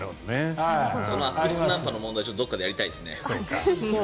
悪質ナンパの問題はどこかでやりたいですね。